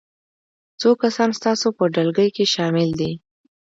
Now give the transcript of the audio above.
څو کسان ستاسو په ډلګي کې شامل دي؟